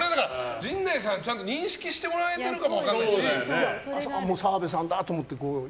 陣内さんにちゃんと認識してもらえてるかあ、澤部さんだと思って。